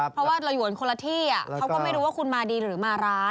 เพราะว่าเราอยู่กันคนละที่เขาก็ไม่รู้ว่าคุณมาดีหรือมาร้าย